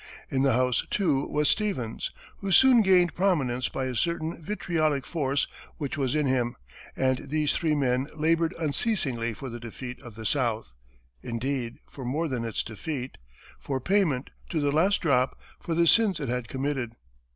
In the House, too, was Stevens, who soon gained prominence by a certain vitriolic force which was in him, and these three men labored unceasingly for the defeat of the South indeed, for more than its defeat for payment, to the last drop, for the sins it had committed.